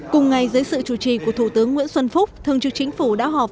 cùng ngày giới sự chủ trì của thủ tướng nguyễn xuân phúc thương chức chính phủ đã họp